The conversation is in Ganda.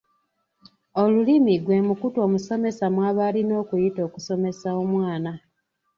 Olulimi gwe mukutu omusomesa mw’aba alina okuyita okusomesa omwana.